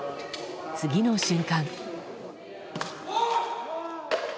次の瞬間。